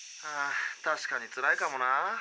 確かにつらいかもな。